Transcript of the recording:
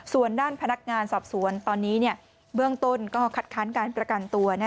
ส่วนด้านพนักงานสอบสวนตอนนี้เบื้องต้นก็คัดค้านการประกันตัว